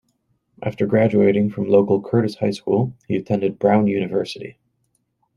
After graduating from local Curtis High School, he attended Brown University.